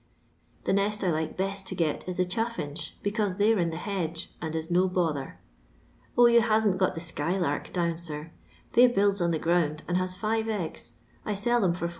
The nest I like best to get is the chaffinch, because they 're in the hedge, and is no bother. Oh, yon hasn't got the skylark down, sir ; they builds on the ground, and has five eggs ; I sell them for id.